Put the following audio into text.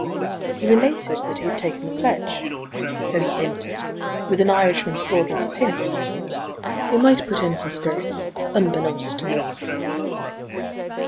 He related that he had taken the pledge, so he hinted, with an Irishman's broadness of hint, 'you might put in some spirits unbeknownst to me!'"